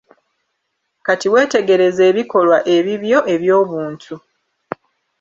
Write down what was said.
Kati weetegereze ebikolwa ebibyo eby'obuntu.